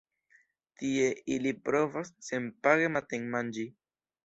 Tie ili provas senpage matenmanĝi.